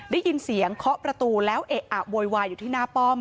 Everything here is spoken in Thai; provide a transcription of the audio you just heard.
ได้ยินเสียงเคาะประตูแล้วเอะอะโวยวายอยู่ที่หน้าป้อม